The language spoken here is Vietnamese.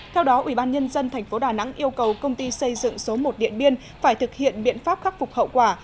theo đó ubnd tp đà nẵng yêu cầu công ty xây dựng số một điện biên phải thực hiện biện pháp khắc phục hậu quả